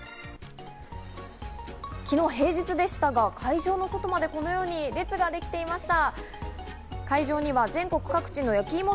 昨日は平日でしたが、会場の外まで、このように列ができていました。